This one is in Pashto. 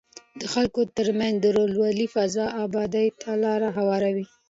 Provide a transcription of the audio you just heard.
د خلکو ترمنځ د ورورولۍ فضا ابادۍ ته لاره هواروي.